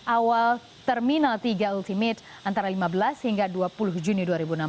awal terminal tiga ultimate antara lima belas hingga dua puluh juni dua ribu enam belas